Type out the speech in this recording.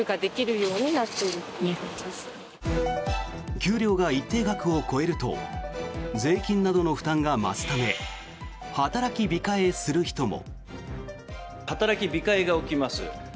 給料が一定額を超えると税金などの負担が増すため働き控えする人も。